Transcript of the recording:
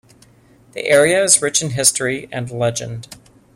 The area is rich in history and legend.